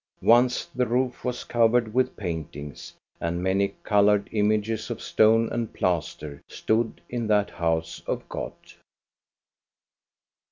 Once the roof was covered with paintings, and many colored images of stone and plaster stood in that house of God.